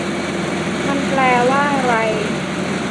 มันแปลว่าอะไร